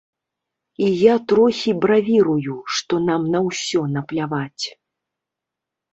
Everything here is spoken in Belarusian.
І я трохі бравірую, што нам на ўсё напляваць.